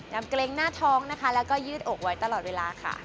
เกรงหน้าท้องนะคะแล้วก็ยืดอกไว้ตลอดเวลาค่ะ